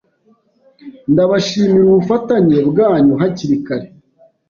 Ndabashimira ubufatanye bwanyu hakiri kare.